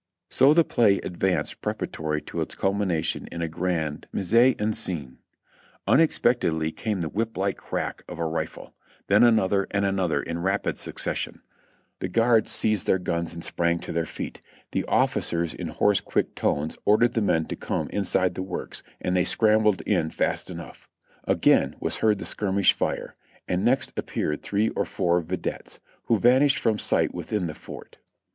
So the play advanced preparatory to its culmination in a grand inise en scene. Unexpectedly came the whip like crack of a rifle; then another and another in rapid succession. The guards^ HOOD S MKN VISIT THE THEATRE 33/ seized their guns and sprang to their feet. The officers in hoarse, qiiick tones ordered the men to come inside the works; and they scrambled in fast enough. Again was heard the skirmish fire; and next appeared three or four videttes, wlio vanished from sight within the fort.